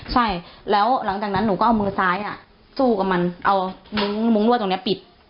ใช่แล้วหลังจากนั้นหนูก็เอามือซ้ายสู้กับมันเอามุ้งรั่วตรงนี้ปิด